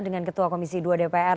dengan ketua komisi dua dpr